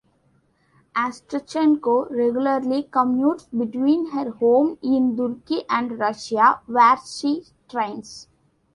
Atroshchenko regularly commutes between her home in Turkey and Russia, where she trains.